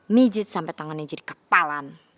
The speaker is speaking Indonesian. mijit sampai tangannya jadi kepalan